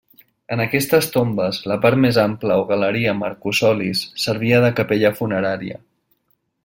En aquestes tombes, la part més ampla o galeria amb arcosolis, servia de capella funerària.